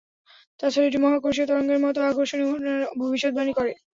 তাছাড়া এটি মহাকর্ষীয় তরঙ্গের মত আকর্ষণীয় ঘটনার ভবিষ্যদ্বাণী করে।